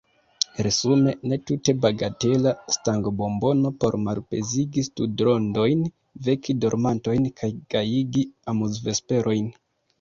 Resume: ne tute bagatela stangobombono por malpezigi studrondojn, veki dormantojn kaj gajigi amuzvesperojn.